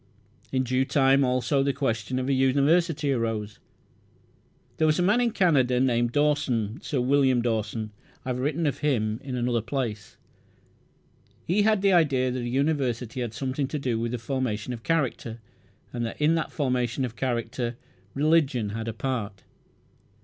In due time also the question of a University arose. There was a man in Canada named Dawson Sir William Dawson. I have written of him in another place. He had the idea that a university had something to do with the formation of character, and that in the formation of character religion had a part.